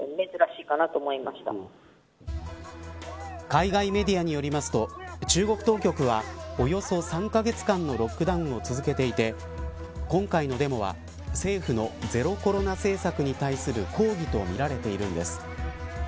海外メディアによりますと中国当局は、およそ３カ月間のロックダウンを続けていて今回のデモは政府のゼロコロナ政策に対する抗議とみられているのです。